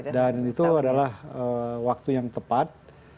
dan itu adalah waktu yang tepat